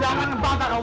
jangan kebata orang